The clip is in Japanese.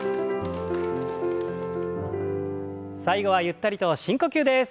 最後はゆったりと深呼吸です。